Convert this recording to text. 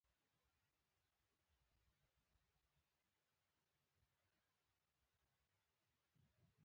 یوه استاد د درې سوه زده کوونکو صحنه کنټرولولی شوه.